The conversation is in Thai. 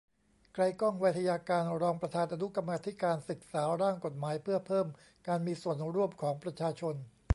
ไกลก้อง ไวทยการ รองประธานอนุกรรมาธิการศึกษา ร่างกฎหมายเพื่อเพิ่มการมีส่วนร่วมของประชาชน